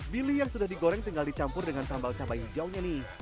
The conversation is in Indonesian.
bili yang sudah digoreng tinggal dicampur dengan sambal cabai hijaunya nih